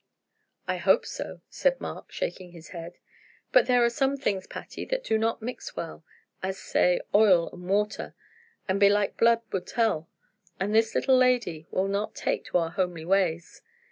"I hope so," said Mark, shaking his head; "but there are some things, Patty, that do not mix well as, say, oil and water and belike blood will tell, and this little lady will not take to our homely ways.